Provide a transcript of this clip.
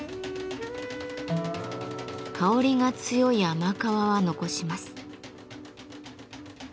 香りが強い甘皮は残します。